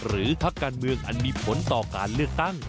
พักการเมืองอันมีผลต่อการเลือกตั้ง